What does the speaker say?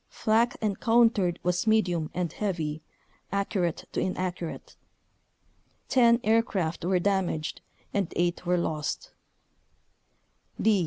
Flak en countered was medium and heavy, accurate to inaccurate ; 10 aircraft were damaged and eight were lost.